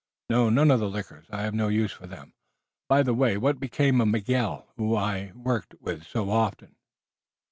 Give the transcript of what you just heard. No, none of the liquors, I have no use for them. By the way, what became of Miguel, with whom I worked so often?"